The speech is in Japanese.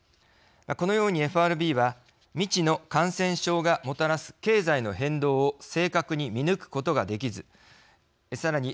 このように、ＦＲＢは未知の感染症がもたらす経済の変動を正確に見抜くことができずさらに